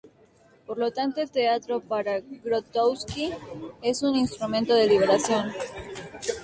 Por lo tanto el teatro para Grotowski es un instrumento de liberación.